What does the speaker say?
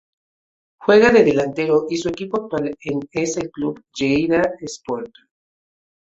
Juega de delantero y su equipo actual es el Club Lleida Esportiu.